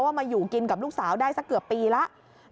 มาอยู่กินกับลูกสาวได้สักเกือบปีแล้ว